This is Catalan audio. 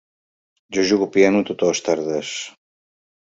Jo jugo piano totes les tardes.